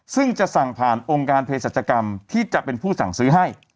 ซึ่งจะสั่งผ่านองค์การเพศรัชกรรมที่จะเป็นผู้สั่งซื้อให้